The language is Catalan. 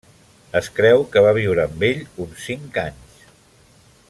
Es creu que va viure amb ell uns cinc anys.